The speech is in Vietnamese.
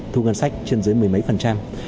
thu ngân sách trên dưới mười mấy phần trăm